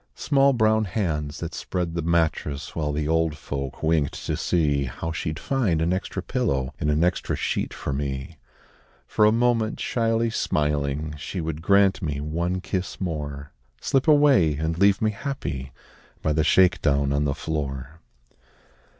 Small brown hands that spread the mattress While the old folk winked to see How she'd find an extra pillow And an extra sheet for me. For a moment shyly smiling, She would grant me one kiss more Slip away and leave me happy By the shake down on the floor.